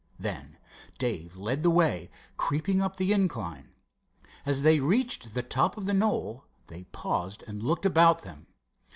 Then Dave led the way, creeping up the incline. As they reached the top of the knoll, they paused and looked about them.